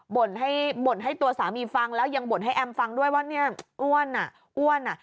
บ่นให้ตัวสามีฟังแล้วยังบ่นให้แอมฟังด้วยว่าเนี่ยอ้วนอ่ะอ้วนอ่ะ